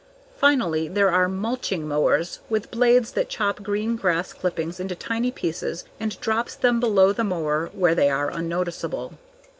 Finally, there are "mulching" mowers with blades that chop green grass clippings into tiny pieces and drops them below the mower where they are unnoticeable.